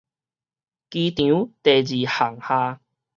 機場第二航廈